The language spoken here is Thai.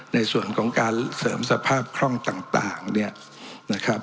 ในส่วนของการเสริมสภาพคล่องต่างเนี่ยนะครับ